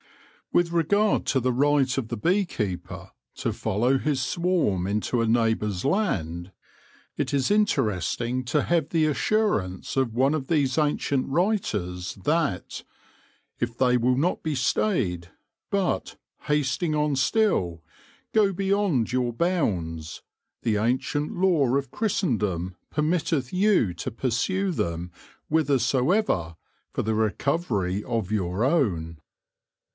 With regard to the right of a bee keeper to follow his swarm into a neighbour's land, it is interesting 28 THE LORE OF THE HONEY BEE to have the assurance of one of these ancient writers that " if they will not be stayed, but, hasting on still, goe beyond your bounds; the ancient Law of Christendome permitteth you to pursue them whither soever, for the recovery of your owne."